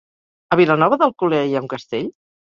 A Vilanova d'Alcolea hi ha un castell?